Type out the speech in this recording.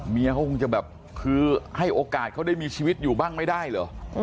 เมียเขาคงจะแบบคือให้โอกาสเขาได้มีชีวิตอยู่บ้างไม่ได้เหรอ